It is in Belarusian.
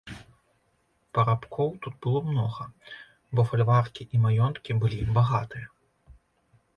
Парабкоў тут было многа, бо фальваркі і маёнткі былі багатыя.